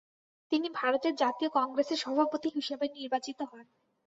তিনি ভারতের জাতীয় কংগ্রেসের সভাপতি হিসাবে নির্বাচিত হন।